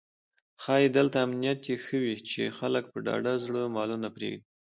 ښایي دلته امنیت یې ښه وي چې خلک په ډاډه زړه مالونه پرېږدي.